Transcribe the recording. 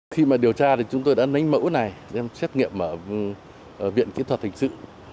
khi mà điều tra thì chúng tôi đã nánh mẫu này xem xét nghiệm ở viện kỹ thuật thành sự